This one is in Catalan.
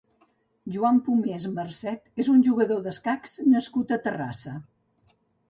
Joan Pomés Marcet és un jugador d'escacs nascut a Terrassa.